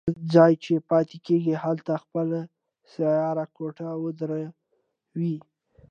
هر ځای چې پاتې کېږي هلته خپله سیاره کوټه ودروي.